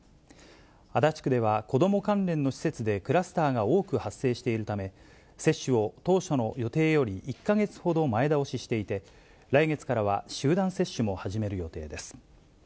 足立区では、子ども関連の施設でクラスターが多く発生しているため、接種を当初の予定より１か月ほど前倒ししていて、来月からは、集団接種も始める予定です。